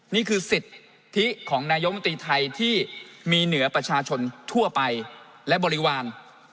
นี่คือสิทธิของนายมนตรีไทยที่มีเหนือประชาชนทั่วไปและบริวาร